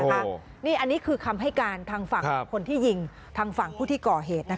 อันนี้คือคำให้การทางฝั่งคนที่ยิงทางฝั่งผู้ที่ก่อเหตุ